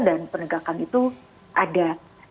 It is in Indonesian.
dan penegakan itu ada